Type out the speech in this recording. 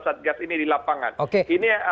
satgas ini di lapangan oke ini